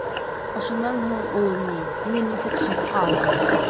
— Ошонан һуң ул, ни, мине нисек шефҡа алһын?!